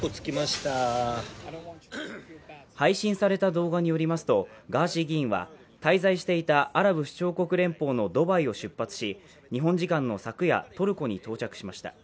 配信された動画によりますと、ガーシー議員は滞在していたアラブ首長国連邦のドバイを出発し、日本時間の昨夜、トルコに到着しました。